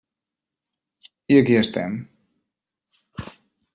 I aquí estem.